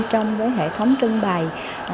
trong hệ thống trưng bày